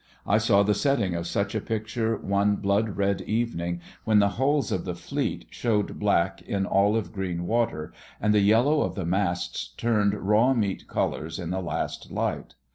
I saw the setting of such a picture one blood red evening when the hulls of the fleet showed black on olive green water, and the yellow of the masts turned raw meat colours in the last light.